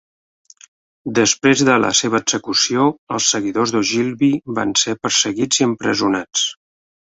Després de la seva execució, els seguidors d'Ogilvie van ser perseguits i empresonats.